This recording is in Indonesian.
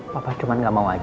papa cuma nggak mau aja